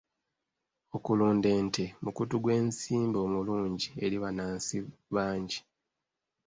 Okulunda ente mukutu gw'ensimbi omulungi eri bannansi bangi.